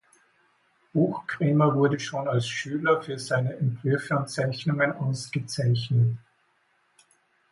Buchkremer wurde schon als Schüler für seine Entwürfe und Zeichnungen ausgezeichnet.